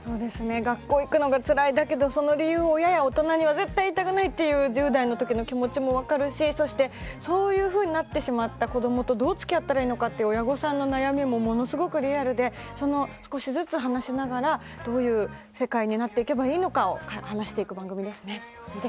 学校に行くのがつらいだけどその理由を親や、大人には絶対に言いたくないという１０代のときの気持ちも分かるしそういうふうになってしまった子どもとどうつきあったらいいのかという親御さんの悩みもものすごくリアルで少しずつ話しながらどういう世界になっていけばいいのかを話していく番組ですね。